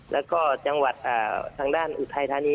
แล้วก็จังหวัดทางด้านอุทัยธานี